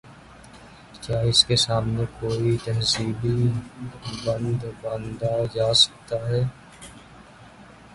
کیا اس کے سامنے کوئی تہذیبی بند باندھا جا سکتا ہے؟